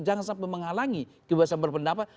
jangan sampai menghalangi kebebasan berpendapat